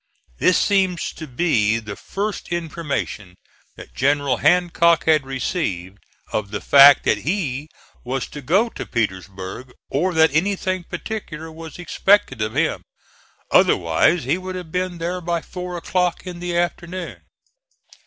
This seems to be the first information that General Hancock had received of the fact that he was to go to Petersburg, or that anything particular was expected of him. Otherwise he would have been there by four o'clock in the afternoon.